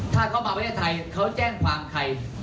ถ้าเขามาประเทศไทยเขาแจ้งความใคร